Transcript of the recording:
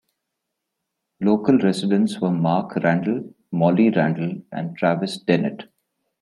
Local Residents were Mark Randall, Molly Randall, and Travis Dennett.